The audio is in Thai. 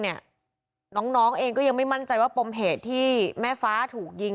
น้องเองก็ยังไม่มั่นใจว่าปมเหตุที่แม่ฟ้าถูกยิง